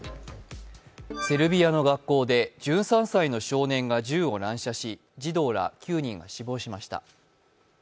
セルビアの学校で１３歳の少年が銃を乱射し児童ら９人が死亡しました。